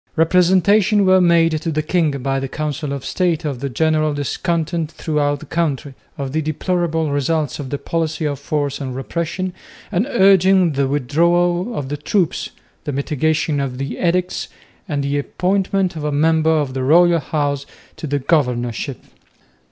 Representations were made to the king by the Council of State of the general discontent throughout the country, of the deplorable results of the policy of force and repression, and urging the withdrawal of the troops, the mitigation of the edicts, and the appointment of a member of the royal house to the governorship.